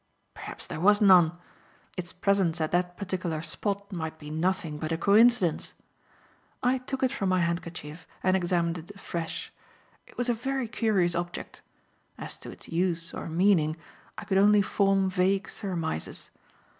Perhaps there was none. Its presence at that particular spot might be nothing but a coincidence. I took it from my handkerchief and examined it afresh. It was a very curious object. As to its use or meaning, I could only form vague surmises.